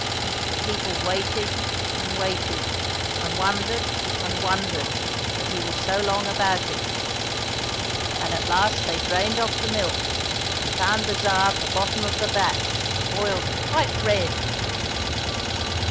The people waited and waited and wondered and wondered that he was so long about it, and at last they drained off the milk and found the Tsar at the bottom of the vat boiled quite red.